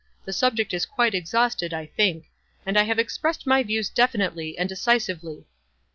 The subject is quite exhausted, I think ; and I have expressed my views definitely and decisively.'